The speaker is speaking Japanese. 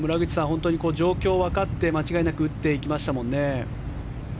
本当に状況を分かって間違いなく打っていきましたもんね。